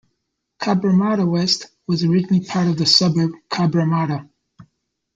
Cabramatta West was originally a part of the suburb Cabramatta.